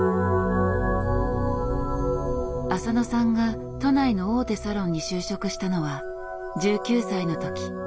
浅野さんが都内の大手サロンに就職したのは１９歳の時。